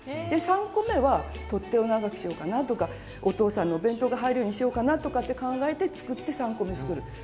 で３個めは取っ手を長くしようかなとかお父さんのお弁当が入るようにしようかなとかって考えて作って３個め作る。